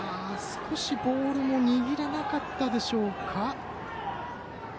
少しボールも握らなかったでしょうか。